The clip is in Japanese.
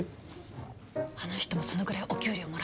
あの人もそのぐらいお給料もらってるってこと？